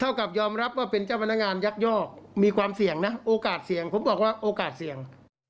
กับยอมรับว่าเป็นเจ้าพนักงานยักยอกมีความเสี่ยงนะโอกาสเสี่ยงผมบอกว่าโอกาสเสี่ยง